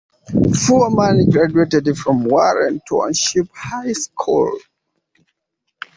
Foreman graduated from Warren Township High School.